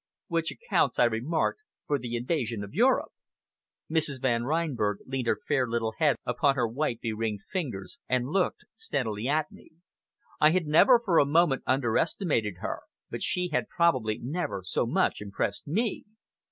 "Which accounts," I remarked, "for the invasion of Europe!" Mrs. Van Reinberg leaned her fair, little head upon her white be ringed fingers, and looked steadily at me. I had never for a moment under estimated her, but she had probably never so much impressed me.